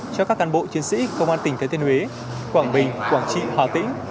cho các cán bộ chiến sĩ công an tỉnh thứ tiên huế quảng bình quảng trị hà tĩnh